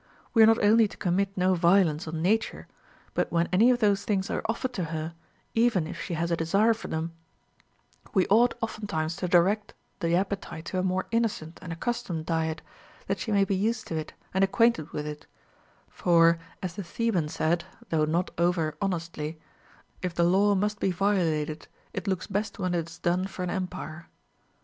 We are not only to commit no violence on Nature ; but when any of those things are offered to her, even if she has a desire for them, Ave ought oftentimes to direct the appetite to a more innocent and accustomed diet, that she may be used to it and acquainted Avith it ; for as the Theban said (though not over honestly), If the law must be violated, it looks best when it is done for an empire.